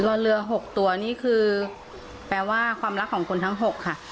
รอเรือ๖ตัวนี่คือแปลว่าความรักของคนทั้ง๖ค่ะ